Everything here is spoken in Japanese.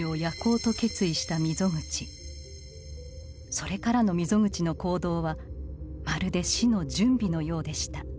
それからの溝口の行動はまるで「死の準備」のようでした。